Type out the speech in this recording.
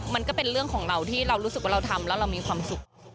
มันก็เป็นเรื่องของเราที่เรารู้สึกว่าเราทำแล้วเรามีความสุข